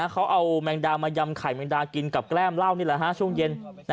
เขาเอาแมงดามายำไข่แมงดากินกับแก้มเหล้านี่แหละช่วงเย็น